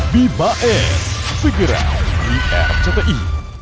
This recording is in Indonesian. bibaes pikiran di rcti